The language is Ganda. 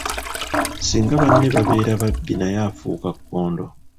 Singa banne babeera babbi naye afuuka kkondo.